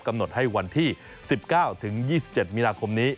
กำหนดให้วันที่๑๙๒๗มีนาคมนี้